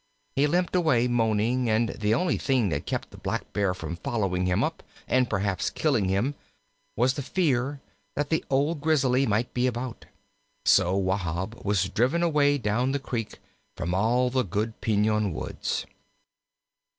He limped away moaning, and the only thing that kept the Blackbear from following him up and perhaps killing him was the fear that the old Grizzly might be about. So Wahb was driven away down the creek from all the good piñon woods.